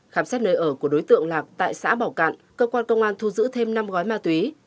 khám xét nơi ở của đối tượng lạc tại xã bảo cạn cơ quan công an thu giữ thêm năm gói ma túy